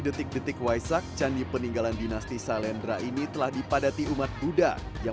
detik detik waisak candi peninggalan dinasti salendra ini telah dipadati umat buddha yang